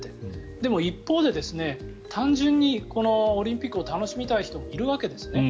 でも一方で、単純にオリンピックを楽しみたい人もいるわけですよね。